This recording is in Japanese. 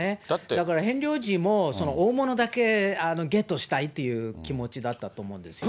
だからヘンリー王子も、大物だけゲットしたいって気持ちだったと思うんですよね。